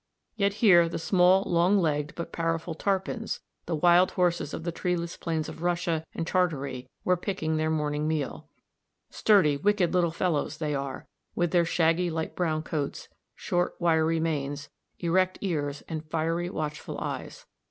Yet here the small long legged but powerful "Tarpans," the wild horses of the treeless plains of Russia and Tartary, were picking their morning meal. Sturdy wicked little fellows they are, with their shaggy light brown coats, short wiry manes, erect ears, and fiery watchful eyes.